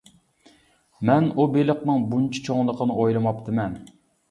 مەن ئۇ بېلىقنىڭ بۇنچە چوڭلۇقىنى ئويلىماپتىمەن.